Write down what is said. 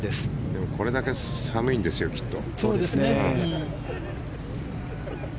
でもこれだけ寒いんですよ、きっと。